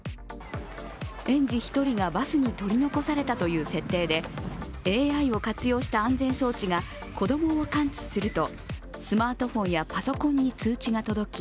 園児１人がバスに取り残されたという設定でＡＩを活用した安全装置が子供を感知すると、スマートフォンやパソコンに通知が届き、